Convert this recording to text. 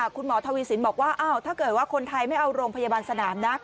คุณหมอทวีสินพูดว่าถ้าคนไทยไม่เอาโรงพยาบาลสนาม